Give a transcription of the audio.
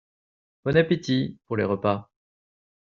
Bon appétit ! (pour les repas…).